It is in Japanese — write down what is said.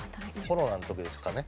コロナの時ですかね？